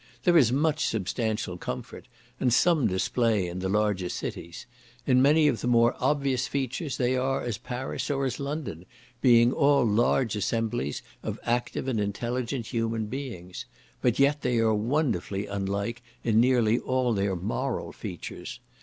There is much substantial comfort, and some display in the larger cities; in many of the more obvious features they are as Paris or as London, being all large assemblies of active and intelligent human beings—but yet they are wonderfully unlike in nearly all their moral features.